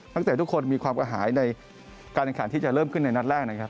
ตั้งแต่ทุกคนมีความกระหายในการอันการที่จะเริ่มขึ้นในนัดแรก